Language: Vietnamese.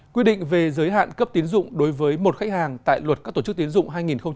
quy định về giới hạn cấp tiến dụng đối với một khách hàng tại luật các tổ chức tiến dụng hai nghìn hai mươi